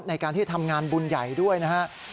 ในการที่ทำงานบุญใหญ่ด้วยนะครับ